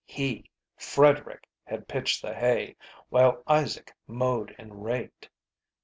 He, Frederick, had pitched the hay, while Isaac mowed and raked.